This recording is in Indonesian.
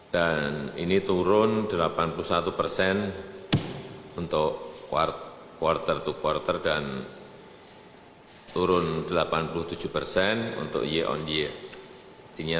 dan ini turun delapan puluh satu persen untuk kuartal ke dua dan turun delapan puluh tujuh persen untuk sektor penerbangan